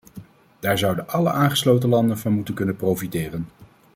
Daar zouden alle aangesloten landen van moeten kunnen profiteren.